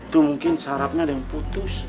tuh mungkin syarapnya ada yang putus